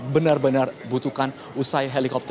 benar benar butuhkan usai helikopter